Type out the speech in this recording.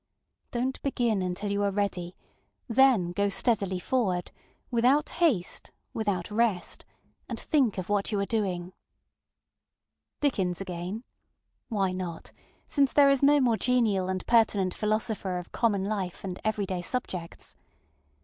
DonŌĆÖt begin until you are ready; then go steadily forward, ŌĆ£without haste, without rest, ŌĆØ and think of what you are doing. ŌĆ£Dickens again? ŌĆØ Why not, since there is no more genial and pertinent philosopher of common life and every day subjects?